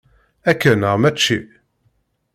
Akka neɣ mačči?